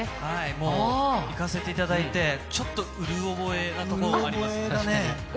もう行かせていただいて、ちょっとうろ覚えのところがあります。